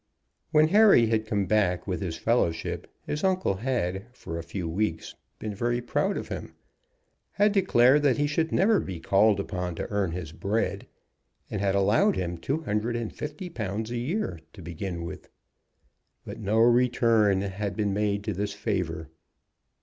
When Harry had come back with his fellowship, his uncle had for a few weeks been very proud of him, had declared that he should never be called upon to earn his bread, and had allowed him two hundred and fifty pounds a year to begin with: but no return had been made to this favor.